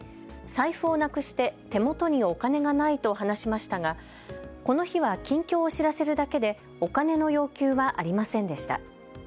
財布をなくして手元にお金がないと話しましたがこの日は近況を知らせるだけでお金の要求はありませんでした。